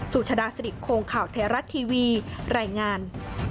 สุชาดาสดิกโครงข่าวไทยรัฐทีวีแรงงาน